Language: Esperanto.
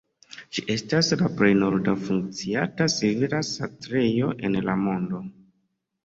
Ĝi estas la plej norda funkcianta civila setlejo en la mondo.